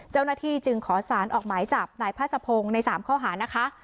เจ้าหน้าที่จึงขอสารออกหมายจับนายพาสะพงศ์ใน๓ข้อหานะคะ